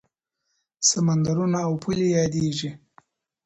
سمندرونه او پولې یادېږي.